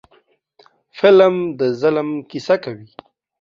فلم د ظلم کیسه کوي